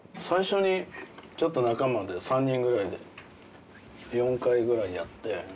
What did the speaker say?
最初にちょっと仲間で３人くらいで４回くらいやって。